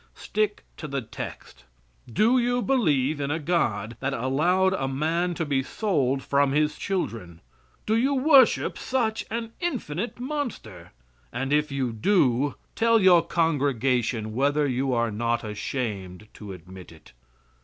Stick to the text. Do you believe in a God that allowed a man to be sold from his children? Do you worship such an infinite monster? And if you do, tell your congregation whether you are not ashamed to admit it.